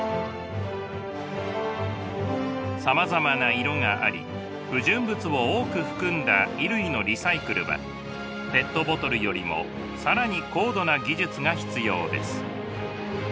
さまざまな色があり不純物を多く含んだ衣類のリサイクルはペットボトルよりも更に高度な技術が必要です。